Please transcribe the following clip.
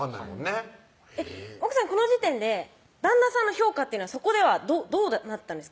この時点で旦那さんの評価っていうのはそこではどうなったんですか？